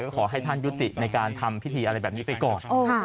ขอให้ท่านยุติในการทำพิธีอะไรแบบนี้ไปก่อน